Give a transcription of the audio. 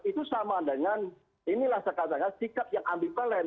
itu sama dengan sikap yang ambivalen